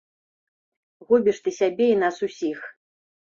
Губіш ты сябе і нас усіх.